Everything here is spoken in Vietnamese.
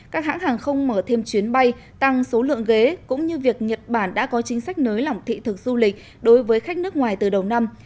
các hãng hàng không mở thêm chuyến bay tăng số lượng ghế cũng như việc nhật bản đã có chính sách nới lỏng thị thực du lịch đối với khách nước ngoài từ đầu năm